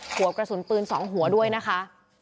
หัวกระสุนปืน๒หัวด้วยนะคะ